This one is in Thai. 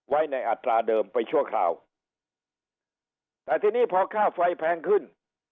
ไว้ในอัตราเดิมไปชั่วคราวแต่ทีนี้พอค่าไฟแพงขึ้น